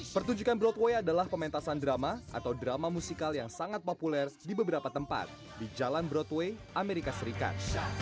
pertunjukan broadway adalah pementasan drama atau drama musikal yang sangat populer di beberapa tempat di jalan broadway amerika serikat